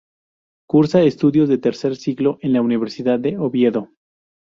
Cursa estudios de tercer ciclo en la Universidad de Oviedo.